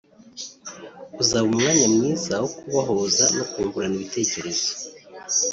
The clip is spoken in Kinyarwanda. uzaba umwanya mwiza wo kubahuza no kungurana ibitekerezo